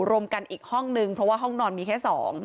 รวมกันอีกห้องนึงเพราะว่าห้องนอนมีแค่๒